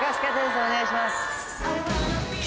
お願いします。